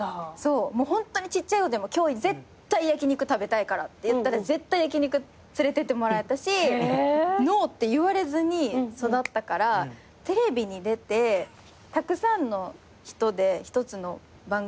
ホントにちっちゃいことでも今日絶対焼き肉食べたいからって言ったら絶対焼き肉連れてってもらえたしノーって言われずに育ったからテレビに出てたくさんの人で１つの番組をつくりあげるときに